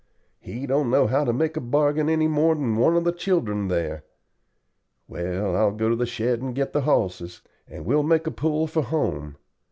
He don't know how to make a bargain any more than one of the children there. Well, I'll go to the shed and get the hosses, and we'll make a pull for home.